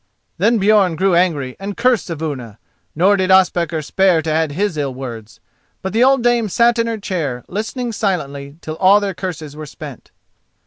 Then Björn grew angry and cursed Saevuna, nor did Ospakar spare to add his ill words. But the old dame sat in her chair, listening silently till all their curses were spent.